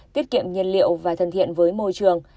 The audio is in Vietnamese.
tiết kiệm nhiên liệu và thân thiện với môi trường